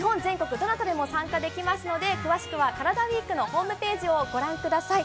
どなたでも参加できますので詳しくはカラダＷＥＥＫのホームページをご覧ください。